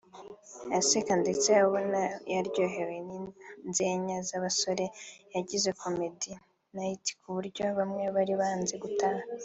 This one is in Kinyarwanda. aseka ndetse ubona yaryohewe n’inzenya z’abasore bagize Comedy Night ku buryo bamwe bari banze gutaha